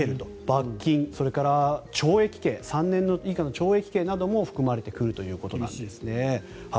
罰金、それから３年以下の懲役刑なども含まれてくるということなんです。